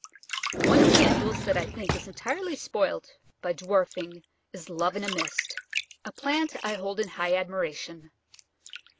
_)] One of the annuals that I think is entirely spoilt by dwarfing is Love in a Mist, a plant I hold in high admiration.